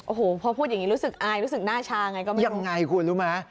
โอ้โหพอพูดอย่างนี้รู้สึกอายรู้สึกหน้าชาไงก็ไม่ยังไงคุณรู้ไหม